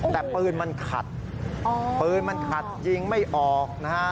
แต่ปืนมันขัดปืนมันขัดยิงไม่ออกนะฮะ